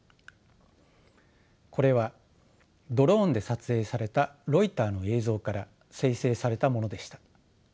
これはドローンで撮影されたロイターの映像から生成されたものでした。